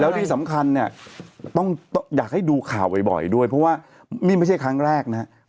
แล้วที่สำคัญเนี่ยต้องอยากให้ดูข่าวบ่อยด้วยเพราะว่านี่ไม่ใช่ครั้งแรกนะครับ